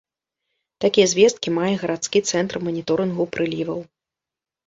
Такія звесткі мае гарадскі цэнтр маніторынгу прыліваў.